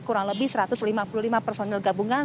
kurang lebih satu ratus lima puluh lima personil gabungan